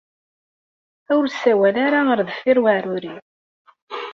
Ur sawal ara ɣer deffir uɛerur-iw.